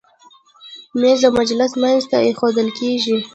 مېز د مجلس منځ ته ایښودل کېږي.